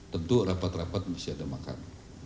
tentu rapat rapat mesti ada makan